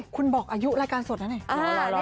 คุณบอกอายุรายการสดนะเนี่ย